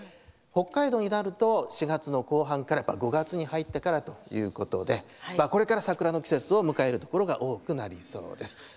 北海道になると４月の後半から５月に入ってからということでこれから桜の季節を迎えるところが多くなりそうです。